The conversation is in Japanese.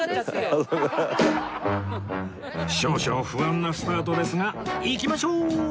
少々不安なスタートですが行きましょう！